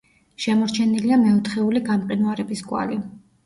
შემორჩენილია მეოთხეული გამყინვარების კვალი.